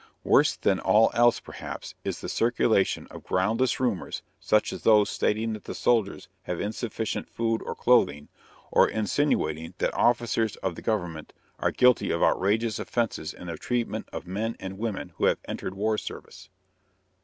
Worse than all else, perhaps, is the circulation of groundless rumors such as those stating that the soldiers have insufficient food or clothing, or insinuating that officers of the government are guilty of outrageous offenses in their treatment of men and women who have entered war service.